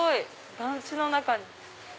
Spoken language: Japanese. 団地の中に。